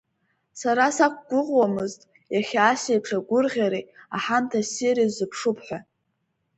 Сара сақәгәыӷуамызт, иахьа ас еиԥш агәырӷьареи, аҳамҭа ссири сзыԥшуп ҳәа.